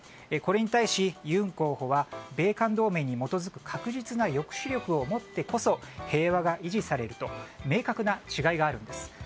これに対しユン候補は米韓同盟に基づく確実な抑止力を持ってこそ平和が維持されると明確な違いがあるんです。